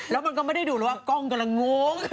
แล้วมันก็ไม่ได้ดูแล้วว่ากล้องกำลังงง